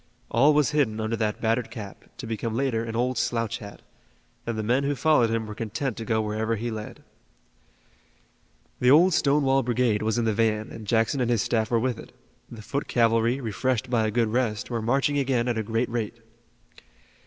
All was hidden under that battered cap to become later an old slouch hat, and the men who followed him were content to go wherever he led. The old Stonewall Brigade was in the van and Jackson and his staff were with it. The foot cavalry refreshed by a good rest were marching again at a great rate.